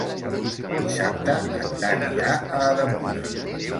Dissabte en Dan irà a Ademús.